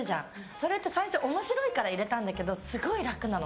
それって最初面白いから入れたんだけどすごい楽なの。